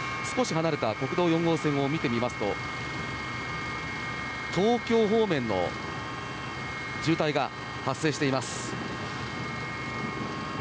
少し離れた国道４号線を見てみますと東京方面の渋滞が発生しています。